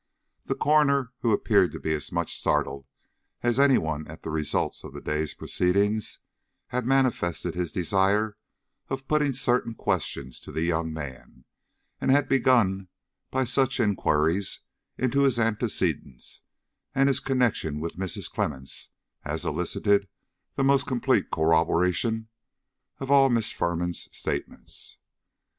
The coroner, who appeared to be as much startled as any one at the result of the day's proceedings, had manifested his desire of putting certain questions to the young man, and had begun by such inquiries into his antecedents, and his connection with Mrs. Clemmens, as elicited the most complete corroboration of all Miss Firman's statements.